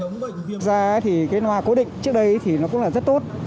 thực ra thì cái loa cố định trước đây thì nó cũng là rất tốt